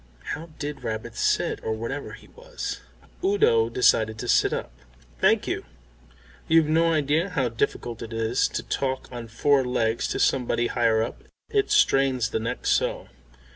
(How did rabbits sit? Or whatever he was?) Udo decided to sit up. "Thank you. You've no idea how difficult it is to talk on four legs to somebody higher up. It strains the neck so."